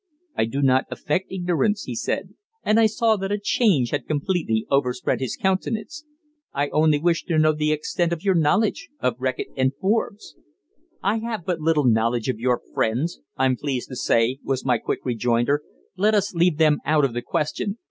"I do not affect ignorance," he said, and I saw that a change had completely overspread his countenance. "I only wish to know the extent of your knowledge of Reckitt and Forbes." "I have but little knowledge of your friends, I'm pleased to say," was my quick rejoinder. "Let us leave them out of the question.